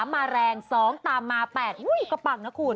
มาแรง๒ตามมา๘อุ้ยก็ปังนะคุณ